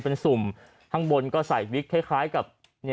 เป็นสุ่มข้างบนก็ใส่วิกคล้ายกับ